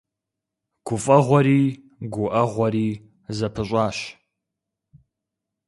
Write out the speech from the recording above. ГуфӀэгъуэри гуӀэгъуэри зэпыщӀащ.